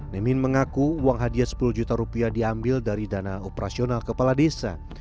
nemin mengaku uang hadiah sepuluh juta rupiah diambil dari dana operasional kepala desa